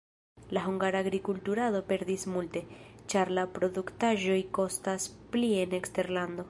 La hungara agrikulturado perdis multe, ĉar la produktaĵoj kostas pli en eksterlando.